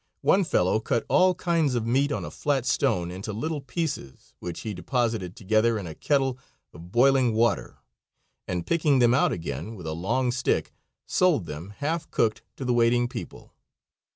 One fellow cut all kinds of meat, on a flat stone, into little pieces, which he deposited together in a kettle of boiling water, and picking them out again with a long stick sold them, half cooked, to the waiting people.